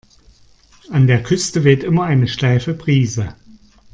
An der Küste weht immer eine steife Brise.